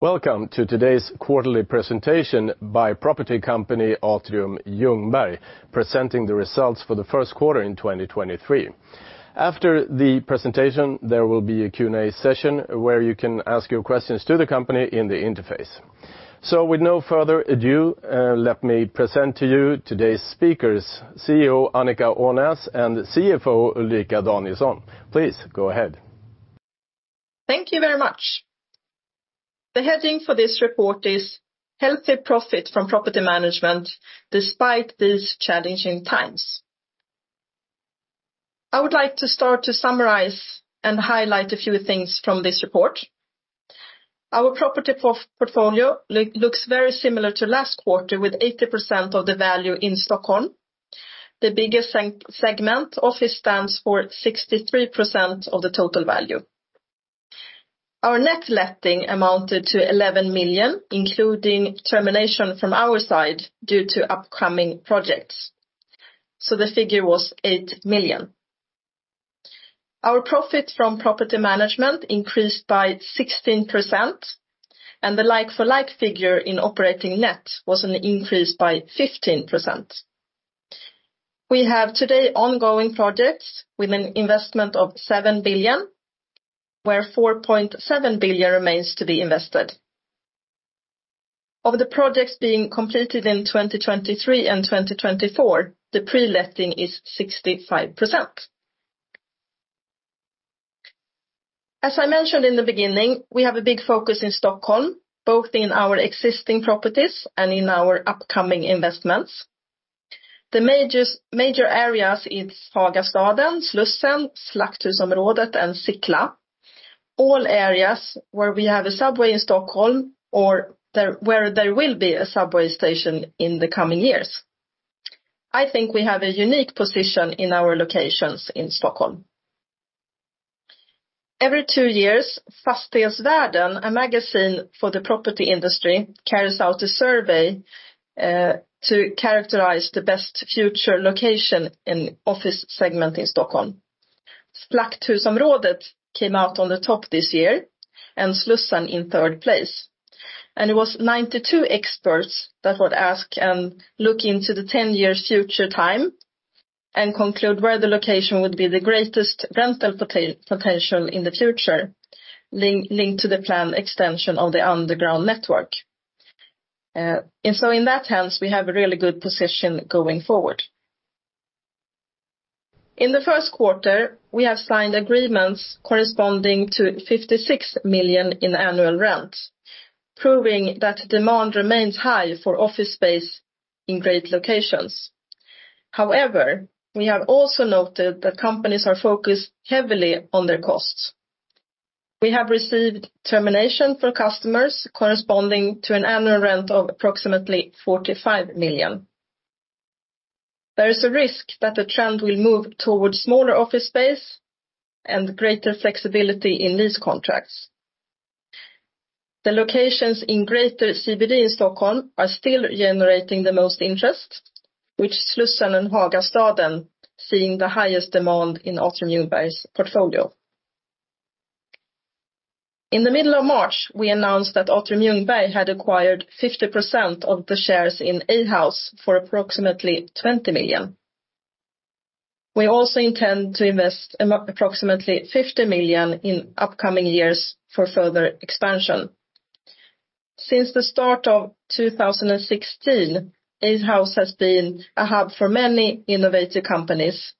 Welcome to today's quarterly presentation by property company Atrium Ljungberg, presenting the results for the first quarter in 2023. After the presentation, there will be a Q&A session where you can ask your questions to the company in the interface. With no further ado, let me present to you today's speakers, CEO Annica Ånäs and CFO Ulrika Danielsson. Please go ahead. Thank you very much. The heading for this report is Healthy Profit from Property Management Despite These Challenging Times. I would like to start to summarize and highlight a few things from this report. Our property portfolio looks very similar to last quarter, with 80% of the value in Stockholm. The biggest segment, office, stands for 63% of the total value. Our net letting amounted to 11 million, including termination from our side due to upcoming projects. The figure was 8 million. Our profit from property management increased by 16%, and the like-for-like figure in operating net was an increase by 15%. We have today ongoing projects with an investment of 7 billion, where 4.7 billion remains to be invested. Of the projects being completed in 2023 and 2024, the pre-letting is 65%. As I mentioned in the beginning, we have a big focus in Stockholm, both in our existing properties and in our upcoming investments. The major areas, it's Hagastaden, Slussen, Slakthusområdet, and Sickla. All areas where we have a subway in Stockholm or there, where there will be a subway station in the coming years. I think we have a unique position in our locations in Stockholm. Every two years, Fastighetsvärlden, a magazine for the property industry, carries out a survey to characterize the best future location in office segment in Stockholm. Slakthusområdet came out on the top this year, and Slussen in third place. It was 92 experts that got asked and look into the 10-years future time and conclude where the location would be the greatest rental potential in the future, linked to the planned extension of the underground network. In that sense, we have a really good position going forward. In the first quarter, we have signed agreements corresponding to 56 million in annual rent, proving that demand remains high for office space in great locations. However, we have also noted that companies are focused heavily on their costs. We have received termination from customers corresponding to an annual rent of approximately 45 million. There is a risk that the trend will move towards smaller office space and greater flexibility in lease contracts. The locations in greater CBD in Stockholm are still generating the most interest, with Slussen and Hagastaden seeing the highest demand in Atrium Ljungberg's portfolio. In the middle of March, we announced that Atrium Ljungberg had acquired 50% of the shares in A House for approximately 20 million. We also intend to invest approximately 50 million in upcoming years for further expansion. Since the start of 2016, A house has been a hub for many innovative companies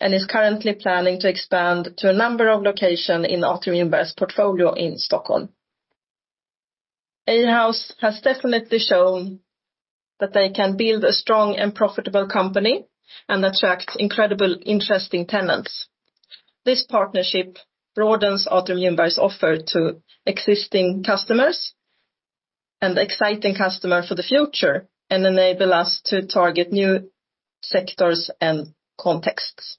and is currently planning to expand to a number of location in Atrium Ljungberg's portfolio in Stockholm. A house has definitely shown that they can build a strong and profitable company and attract incredible, interesting tenants. This partnership broadens Atrium Ljungberg's offer to existing customers and exciting customer for the future and enable us to target new sectors and contexts.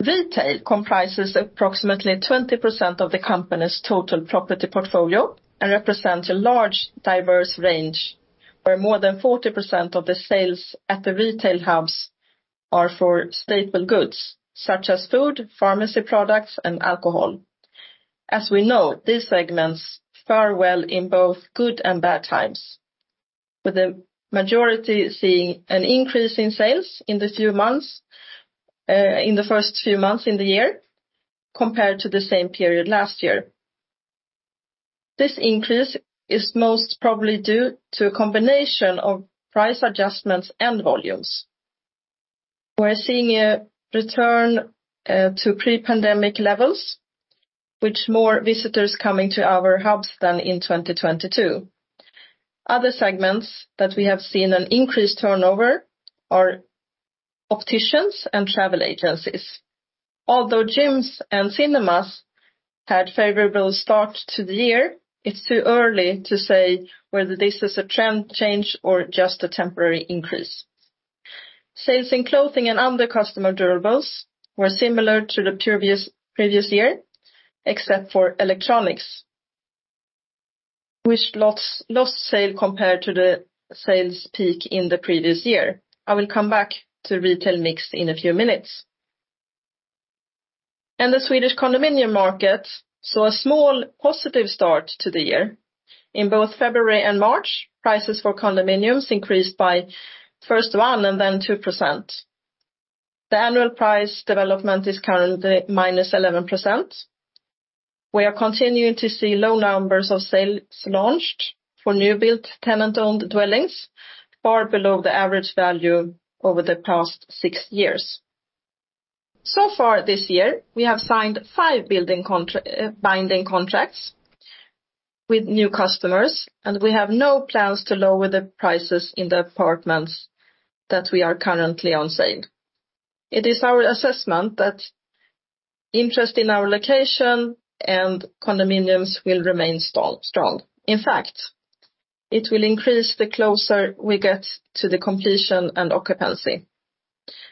Retail comprises approximately 20% of the company's total property portfolio and represents a large, diverse range where more than 40% of the sales at the retail hubs are for staple goods such as food, pharmacy products, and alcohol. As we know, these segments fare well in both good and bad times, with the majority seeing an increase in sales in the first few months in the year compared to the same period last year. This increase is most probably due to a combination of price adjustments and volumes. We're seeing a return to pre-pandemic levels, with more visitors coming to our hubs than in 2022. Other segments that we have seen an increased turnover are opticians and travel agencies. Although gyms and cinemas had favorable start to the year, it's too early to say whether this is a trend change or just a temporary increase. Sales in clothing and other customer durables were similar to the previous year, except for electronics, which lost sale compared to the sales peak in the previous year. I will come back to retail mix in a few minutes. The Swedish condominium market saw a small positive start to the year. In both February and March, prices for condominiums increased by first 1% and then 2%. The annual price development is currently minus 11%. We are continuing to see low numbers of sales launched for new built tenant-owned dwellings, far below the average value over the past six years. So far this year, we have signed five binding contracts with new customers, and we have no plans to lower the prices in the apartments that we are currently on sale. It is our assessment that interest in our location and condominiums will remain strong. In fact, it will increase the closer we get to the completion and occupancy.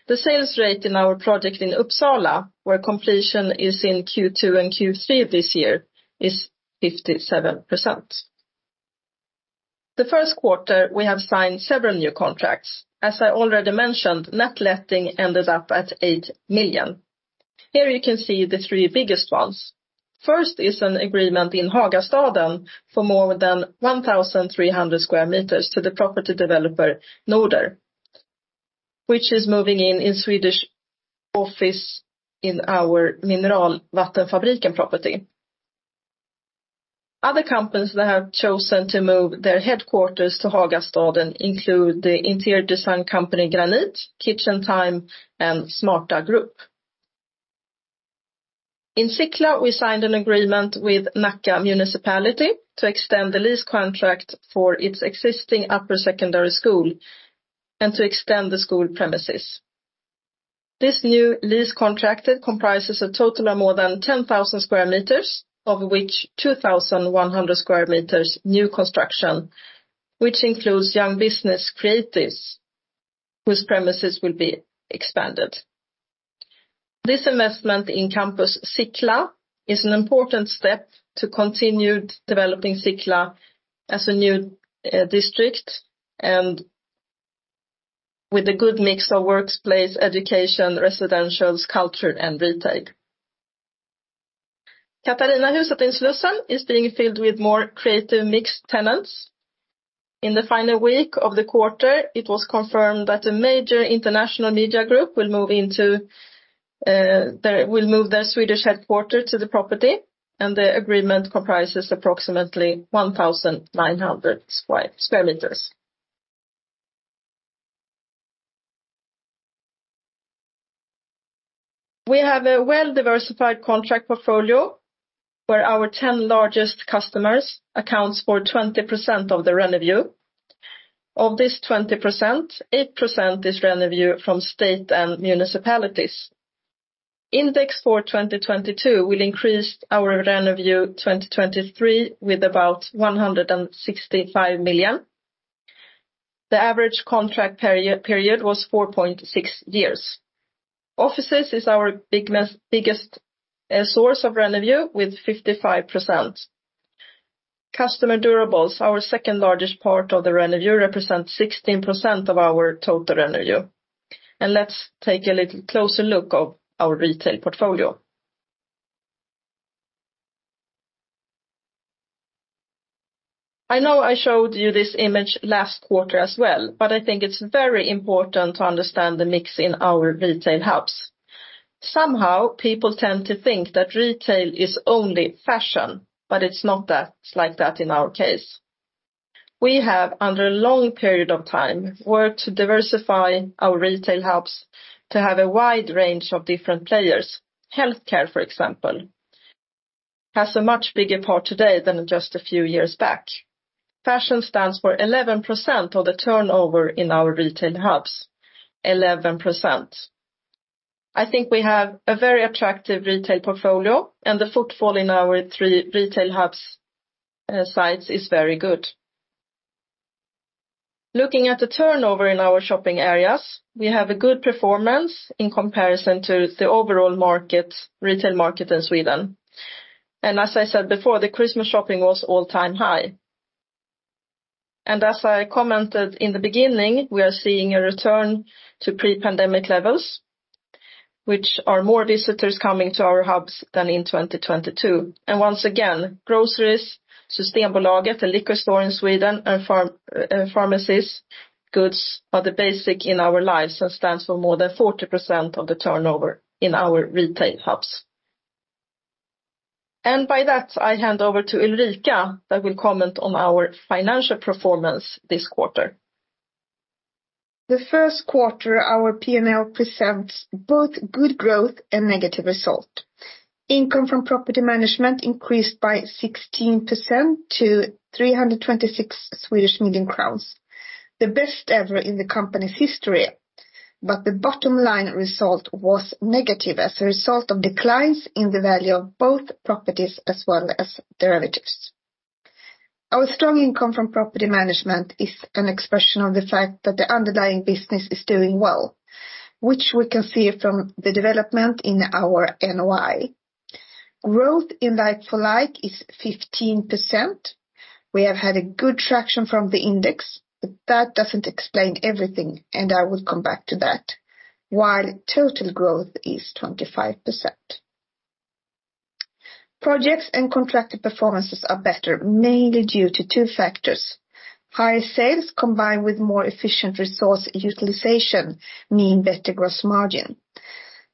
The sales rate in our project in Uppsala, where completion is in Q2 and Q3 this year, is 57%. The first quarter, we have signed several new contracts. As I already mentioned, net letting ended up at 8 million. Here you can see the three biggest ones. First is an agreement in Hagastaden for more than 1,300 sq m to the property developer Nordr. Which is moving in in Swedish office in our Mineralvattenfabriken property. Other companies that have chosen to move their headquarters to Hagastaden include the interior design company Granit, KitchenTime, and Smarta Group. In Sickla, we signed an agreement with Nacka Municipality to extend the lease contract for its existing upper secondary school and to extend the school premises. This new lease contract comprises a total of more than 10,000 square meters, of which 2,100 square meters new construction, which includes young business creatives whose premises will be expanded. This investment in Campus Sickla is an important step to continued developing Sickla as a new district and with a good mix of workplace, education, residentials, culture, and retail. Katarinahuset in Slussen is being filled with more creative mixed tenants. In the final week of the quarter, it was confirmed that a major international media group will move their Swedish headquarter to the property, and the agreement comprises approximately 1,900 square meters. We have a well-diversified contract portfolio where our 10 largest customers accounts for 20% of the revenue. Of this 20%, 8% is revenue from state and municipalities. Index for 2022 will increase our revenue 2023 with about 165 million. The average contract period was 4.6 years. Offices is our biggest source of revenue with 55%. Customer durables, our second-largest part of the revenue, represents 16% of our total revenue. Let's take a little closer look of our retail portfolio. I know I showed you this image last quarter as well, but I think it's very important to understand the mix in our retail hubs. Somehow, people tend to think that retail is only fashion, but it's not that, like that in our case. We have, under a long period of time, worked to diversify our retail hubs to have a wide range of different players. Healthcare, for example, has a much bigger part today than just a few years back. Fashion stands for 11% of the turnover in our retail hubs. 11%. I think we have a very attractive retail portfolio, and the footfall in our three retail hubs, sites is very good. Looking at the turnover in our shopping areas, we have a good performance in comparison to the overall market, retail market in Sweden. As I said before, the Christmas shopping was all-time high. As I commented in the beginning, we are seeing a return to pre-pandemic levels, which are more visitors coming to our hubs than in 2022. Once again, groceries, Systembolaget, the liquor store in Sweden, and pharmacies, goods are the basic in our lives and stands for more than 40% of the turnover in our retail hubs. By that, I hand over to Ulrika that will comment on our financial performance this quarter. The first quarter, our P&L presents both good growth and negative result. Income from property management increased by 16% to 326 million crowns, the best ever in the company's history. The bottom line result was negative as a result of declines in the value of both properties as well as derivatives. Our strong income from property management is an expression of the fact that the underlying business is doing well, which we can see from the development in our NOI. Growth in like-for-like is 15%. We have had a good traction from the index, but that doesn't explain everything, and I will come back to that. While total growth is 25%. Projects and contracted performances are better, mainly due to two factors. Higher sales combined with more efficient resource utilization mean better gross margin.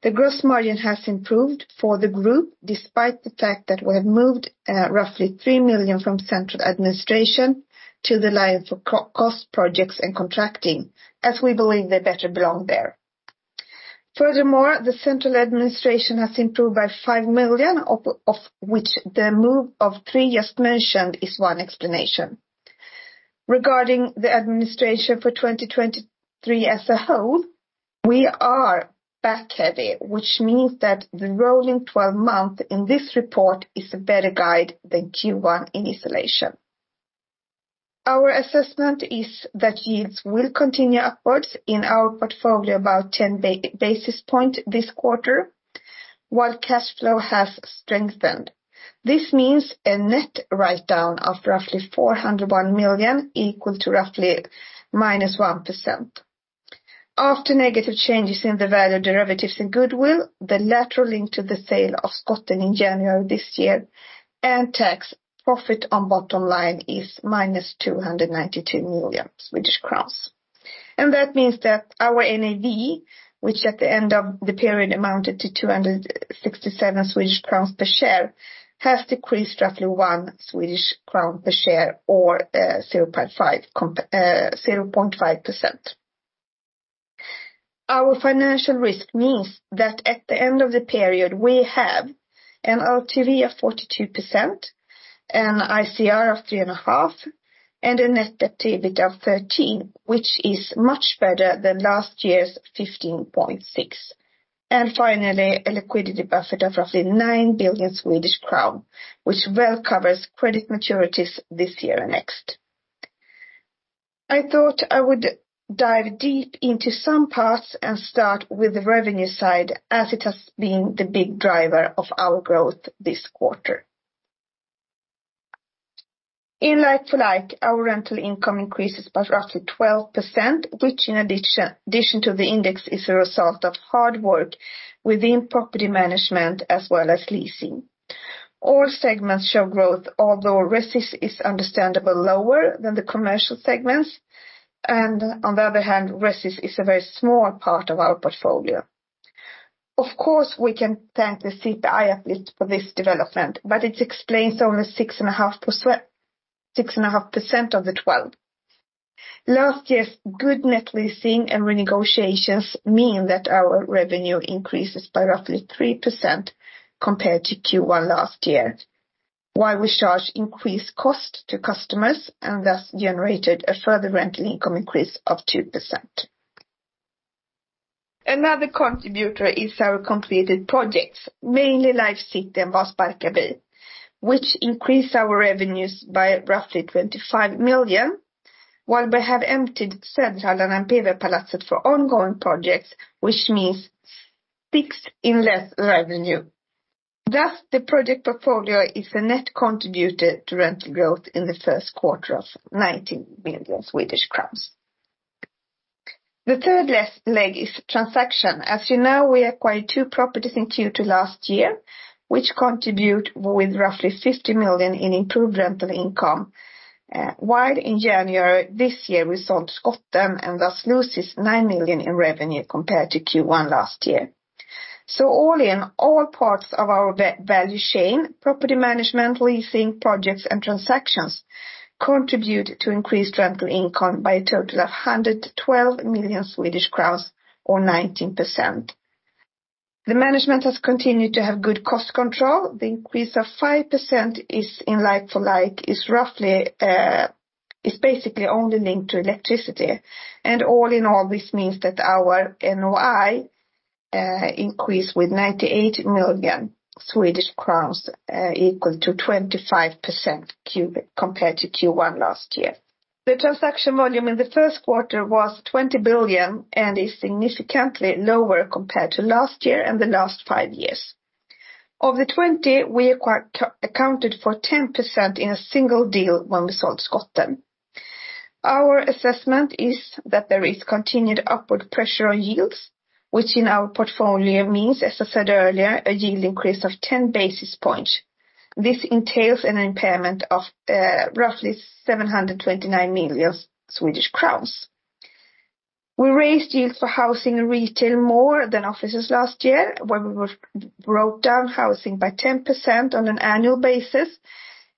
The gross margin has improved for the group despite the fact that we have moved, roughly 3 million from central administration to the line for co-cost, projects, and contracting, as we believe they better belong there. The central administration has improved by 5 million, of which the move of three just mentioned is one explanation. Regarding the administration for 2023 as a whole, we are back heavy, which means that the rolling 12-month in this report is a better guide than Q1 in isolation. Our assessment is that yields will continue upwards in our portfolio about 10 basis points this quarter, while cash flow has strengthened. This means a net write down of roughly 401 million, equal to roughly -1%. After negative changes in the value derivatives in goodwill, the lateral link to the sale of Skotten in January this year, and tax profit on bottom line is minus 292 million Swedish crowns. That means that our NAV, which at the end of the period amounted to 267 Swedish crowns per share, has decreased roughly 1 Swedish crown per share or 0.5%. Our financial risk means that at the end of the period, we have an LTV of 42%, an ICR of 3.5, and a net activity of 13, which is much better than last year's 15.6. Finally, a liquidity buffer of roughly 9 billion Swedish crown, which well covers credit maturities this year and next. I thought I would dive deep into some parts and start with the revenue side as it has been the big driver of our growth this quarter. In like-for-like, our rental income increases by roughly 12%, which in addition to the index is a result of hard work within property management as well as leasing. All segments show growth, although resi is understandably lower than the commercial segments. On the other hand, resi is a very small part of our portfolio. Of course, we can thank the CPI uplift for this development, but it explains only 6.5% of the 12. Last year's good net leasing and renegotiations mean that our revenue increases by roughly 3% compared to Q1 last year, while we charge increased cost to customers and thus generated a further rental income increase of 2%. Another contributor is our completed projects, mainly Life City and Vasaparken, which increased our revenues by roughly 25 million, while we have emptied PV-palatset for ongoing projects, which means 6 million in less revenue. The project portfolio is a net contributor to rental growth in the first quarter of 90 million Swedish crowns. The third leg is transaction. As you know, we acquired two properties in Q2 last year, which contribute with roughly 50 million in improved rental income. While in January this year, we sold Skotten and thus loses 9 million in revenue compared to Q1 last year. All in, all parts of our value chain, property management, leasing, projects, and transactions, contribute to increased rental income by a total of 112 million Swedish crowns or 19%. The management has continued to have good cost control. The increase of 5% is in like-for-like is roughly, is basically only linked to electricity. All in all, this means that our NOI increased with SEK 98 million, equal to 25% compared to Q1 last year. The transaction volume in the first quarter was 20 billion and is significantly lower compared to last year and the last five years. Of the 20, we accounted for 10% in a single deal when we sold Skotten. Our assessment is that there is continued upward pressure on yields, which in our portfolio means, as I said earlier, a yield increase of 10 basis points. This entails an impairment of roughly 729 million Swedish crowns. We raised yields for housing and retail more than offices last year, broke down housing by 10% on an annual basis,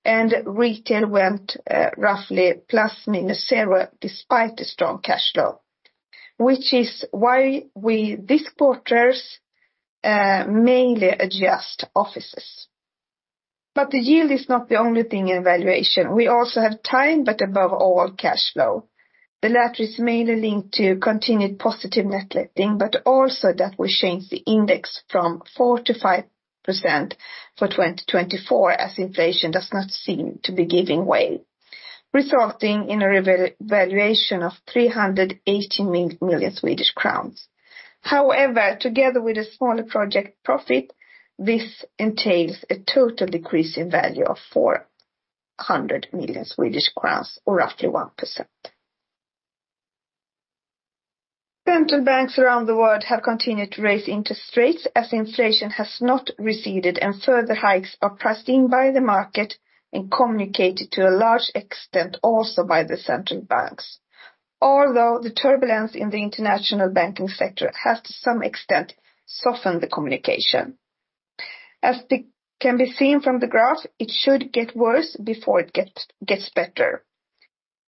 and retail went roughly ±0 despite the strong cash flow, which is why we, this quarter's, mainly adjust offices. The yield is not the only thing in valuation. We also have time, but above all, cash flow. The latter is mainly linked to continued positive net letting, also that we change the index from 4% to 5% for 2024 as inflation does not seem to be giving way. Resulting in a revaluation of 380 million Swedish crowns. However, together with a smaller project profit, this entails a total decrease in value of 400 million Swedish crowns or roughly 1%. Central banks around the world have continued to raise interest rates as inflation has not receded, and further hikes are priced in by the market and communicated to a large extent also by the central banks. Although the turbulence in the international banking sector has to some extent softened the communication. As it can be seen from the graph, it should get worse before it gets better.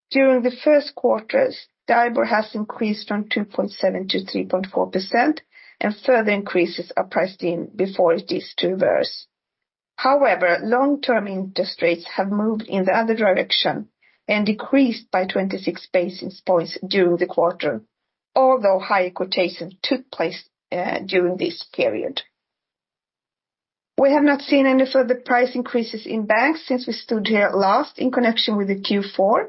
During the first quarters, STIBOR has increased from 2.7% to 3.4%. Further increases are priced in before it is to reverse. Long-term interest rates have moved in the other direction and decreased by 26 basis points during the quarter. Although high quotation took place during this period. We have not seen any further price increases in banks since we stood here last in connection with the Q4.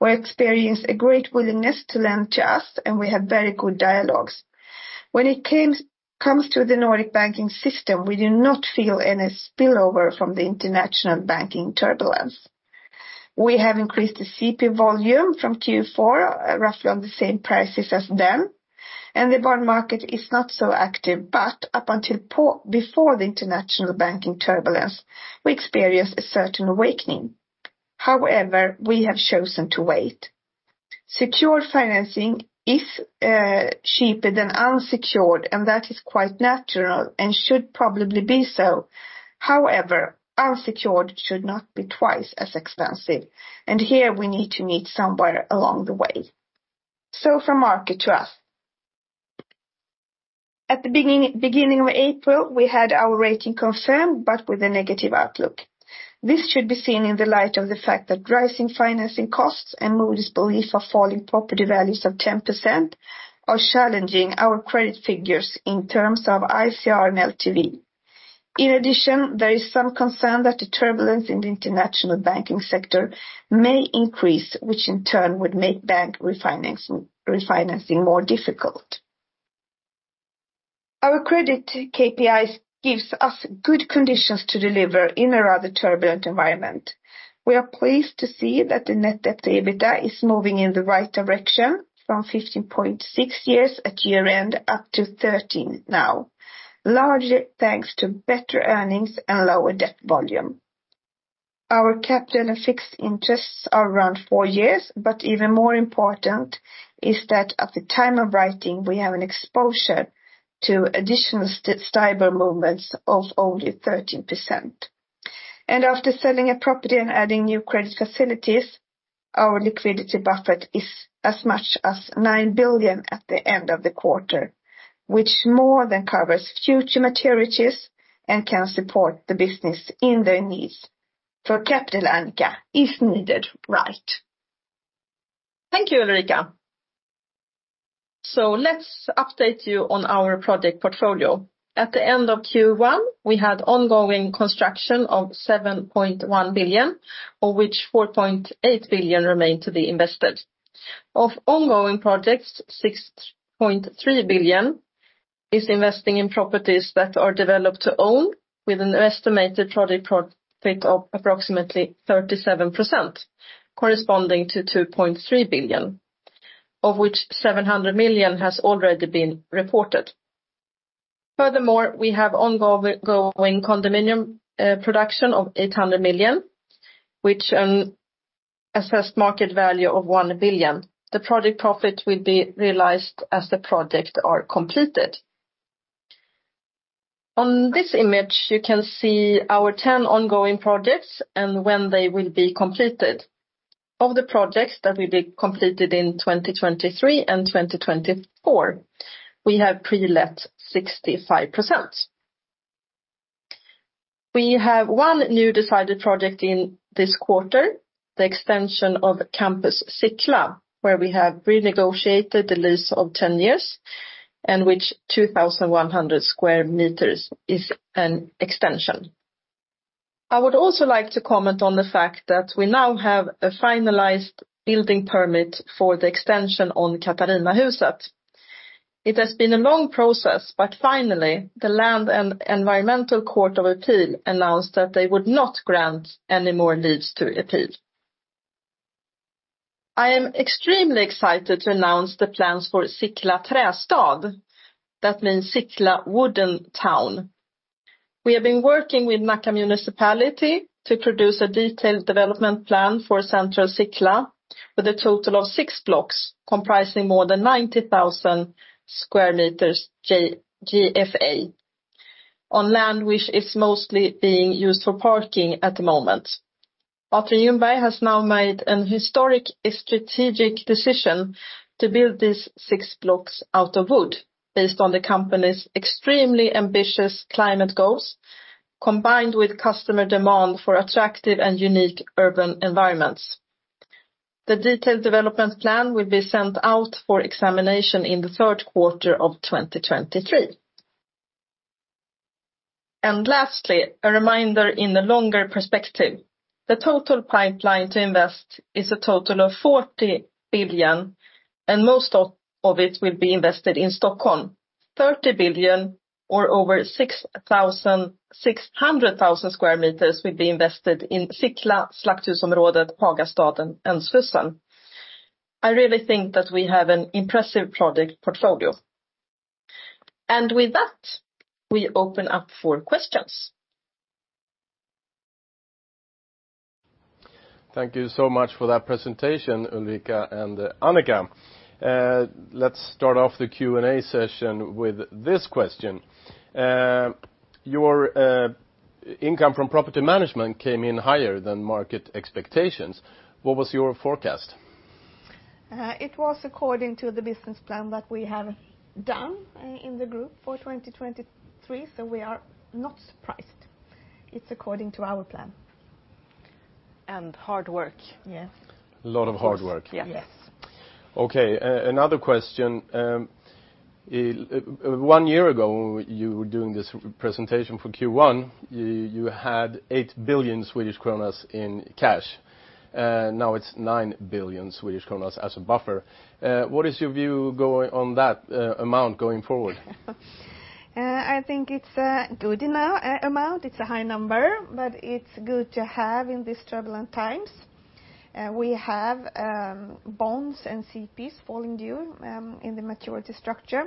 We experience a great willingness to lend to us, and we have very good dialogues. When it comes to the Nordic banking system, we do not feel any spillover from the international banking turbulence. We have increased the CP volume from Q4, roughly on the same prices as then. The bond market is not so active, but up until before the international banking turbulence, we experienced a certain awakening. We have chosen to wait. Secure financing is cheaper than unsecured, and that is quite natural and should probably be so. Unsecured should not be twice as expensive, and here we need to meet somewhere along the way. From market to us. At the beginning of April, we had our rating confirmed, but with a negative outlook. This should be seen in the light of the fact that rising financing costs and Moody's belief of falling property values of 10% are challenging our credit figures in terms of ICR and LTV. There is some concern that the turbulence in the international banking sector may increase, which in turn would make bank refinancing more difficult. Our credit KPIs gives us good conditions to deliver in a rather turbulent environment. We are pleased to see that the net debt to EBITDA is moving in the right direction from 15.6 years at year-end up to 13 now. Largely thanks to better earnings and lower debt volume. Our capital and fixed interests are around four years, but even more important is that at the time of writing, we have an exposure to additional STIBOR movements of only 13%. After selling a property and adding new credit facilities, our liquidity buffer is as much as 9 billion at the end of the quarter, which more than covers future maturities and can support the business in their needs, for capital, Annica, if needed right. Thank you, Ulrika. Let's update you on our project portfolio. At the end of Q1, we had ongoing construction of 7.1 billion, of which 4.8 billion remained to be invested. Of ongoing projects, 6.3 billion is investing in properties that are developed to own, with an estimated project profit of approximately 37%, corresponding to 2.3 billion, of which 700 million has already been reported. Furthermore, we have ongoing condominium production of 800 million, which an assessed market value of 1 billion. The project profit will be realized as the project are completed. On this image, you can see our 10 ongoing projects and when they will be completed. Of the projects that will be completed in 2023 and 2024, we have pre-let 65%. We have one new decided project in this quarter, the extension of Campus Sickla, where we have renegotiated the lease of 10 years and which 2,100 square meters is an extension. I would also like to comment on the fact that we now have a finalized building permit for the extension on Katarinahuset. It has been a long process. Finally, the Land and Environmental Court of Appeal announced that they would not grant any more leaves to appeal. I am extremely excited to announce the plans for Sickla Trästad. That means Sickla Wooden Town. We have been working with Nacka Municipality to produce a detailed development plan for Central Sickla with a total of six blocks comprising more than 90,000 square meters J, GFA on land which is mostly being used for parking at the moment. Atrium Ljungberg has now made an historic strategic decision to build these six blocks out of wood based on the company's extremely ambitious climate goals combined with customer demand for attractive and unique urban environments. The detailed development plan will be sent out for examination in the third quarter of 2023. Lastly, a reminder in the longer perspective. The total pipeline to invest is a total of 40 billion, and most of it will be invested in Stockholm. 30 billion or over 600,000 square meters will be invested in Sickla, Slakthusområdet, Hagastaden, Ängsjön. I really think that we have an impressive project portfolio. With that, we open up for questions. Thank you so much for that presentation, Ulrika and Annica. Let's start off the Q&A session with this question. Your income from property management came in higher than market expectations. What was your forecast? It was according to the business plan that we have done in the group for 2023, so we are not surprised. It's according to our plan. Hard work. Yes. A lot of hard work. Yes. Yes. Okay. Another question. One year ago, you were doing this presentation for Q1. You had 8 billion Swedish kronor in cash. Now it's 9 billion Swedish kronor as a buffer. What is your view going on that amount going forward? I think it's a good enough amount. It's a high number, but it's good to have in these turbulent times. We have bonds and CPs falling due in the maturity structure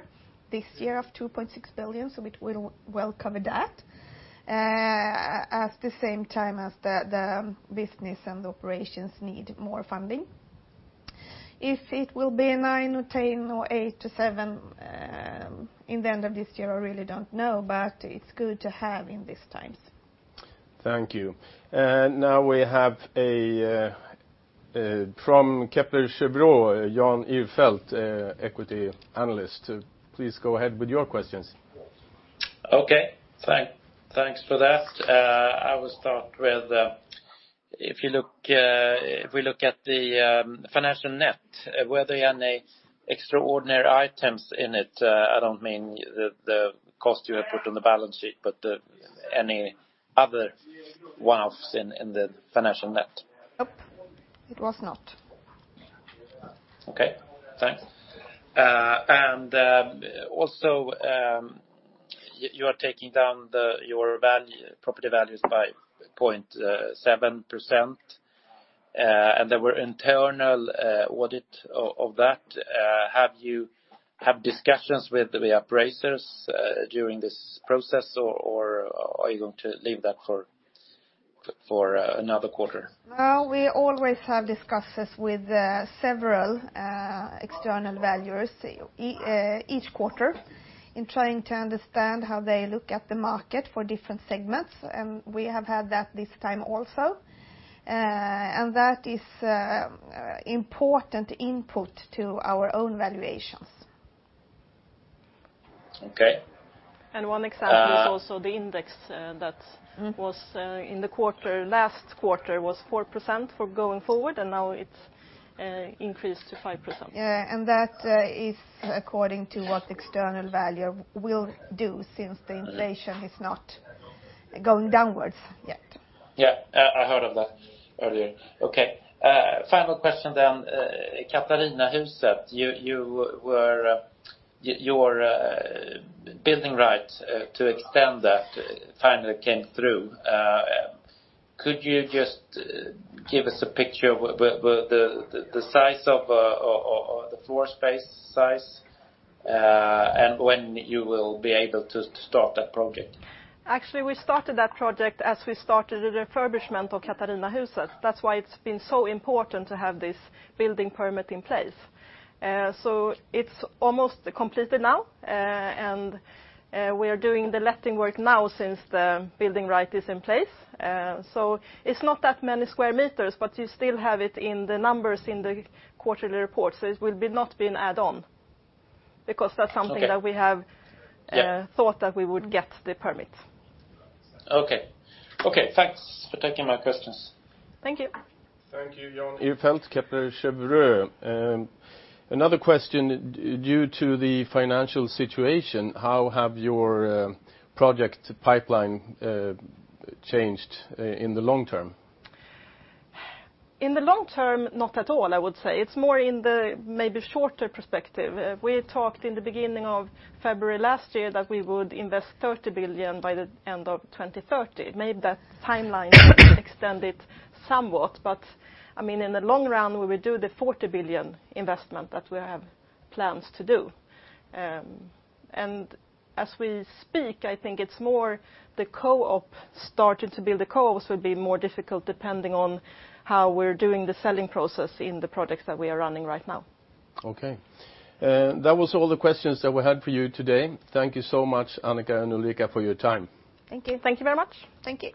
this year of 2.6 billion, so it will well cover that. At the same time as the business and the operations need more funding. If it will be a nine or 10 or eight to seven in the end of this year, I really don't know, but it's good to have in these times. Thank you. Now we have from Kepler Cheuvreux, Jan Ihrfelt, Equity Analyst. Please go ahead with your questions. Okay. Thanks for that. I will start with, if you look, if we look at the financial net, were there any extraordinary items in it? I don't mean the cost you have put on the balance sheet, but any other one-offs in the financial net? Nope. It was not. Okay. Thanks. Also, you are taking down your value, property values by 0.7%, and there were internal audit of that. Have you had discussions with the appraisers during this process or are you going to leave that for another quarter? We always have discussions with several external valuers each quarter in trying to understand how they look at the market for different segments, and we have had that this time also. That is important input to our own valuations. Okay. One example is also the index, that was in the quarter, last quarter was 4% for going forward, and now it's increased to 5%. That is according to what the external valuer will do since the inflation is not going downwards yet. Yeah. Yeah, I heard of that earlier. Okay. Final question. Katarinahuset, you were your building rights to extend that finally came through. Could you just give us a picture of what the size of the floor space size, when you will be able to start that project? Actually, we started that project as we started a refurbishment of Katarinahuset. That's why it's been so important to have this building permit in place. It's almost completed now, and we are doing the letting work now since the building right is in place. It's not that many square meters, but you still have it in the numbers in the quarterly report, it will not be an add-on because that's something that we have- Okay. Yeah.... that we would get the permit. Okay. Okay, thanks for taking my questions. Thank you. Thank you, Jan Ihrfelt, Kepler Cheuvreux. Another question. Due to the financial situation, how have your project pipeline changed in the long term? In the long term, not at all, I would say. It's more in the maybe shorter perspective. We talked in the beginning of February last year that we would invest 30 billion by the end of 2030. Maybe that timeline extended somewhat, but, I mean, in the long run, we will do the 40 billion investment that we have plans to do. As we speak, I think it's more the co-op starting to build the co-ops will be more difficult depending on how we're doing the selling process in the projects that we are running right now. Okay. That was all the questions that we had for you today. Thank you so much, Annica and Ulrika, for your time. Thank you. Thank you very much. Thank you.